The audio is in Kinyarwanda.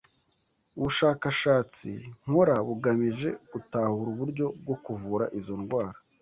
Ubushakashatsi nkora bugamije gutahura uburyo bwo kuvura izo ndwara